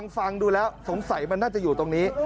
ฟังดูแล้วสงสัยมันน่าจะอยู่ตรงนี้